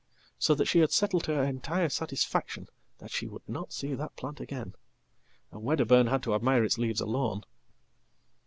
So that she had settled to herentire satisfaction that she would not see that plant again, andWedderburn had to admire its leaves alone.